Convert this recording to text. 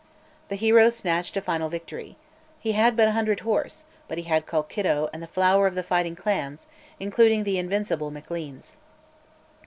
The hero snatched a final victory. He had but a hundred horse, but he had Colkitto and the flower of the fighting clans, including the invincible Macleans.